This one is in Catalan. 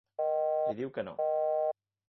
Li diu que no.